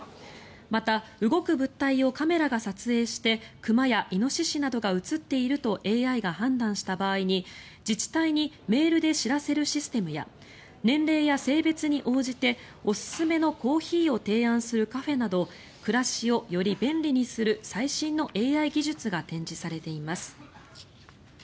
また、動く物体をカメラが撮影して熊やイノシシなどが映っているとＡＩが判断した場合に自治体にメールで知らせるシステムや年齢や性別に応じておすすめのコーヒーを提案するカフェなど暮らしをより便利にする最新のＡＩ技術が展示されています。